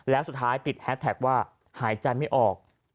แล้วสุดท้ายติดแฮสแท็กว่าหายใจไม่ออก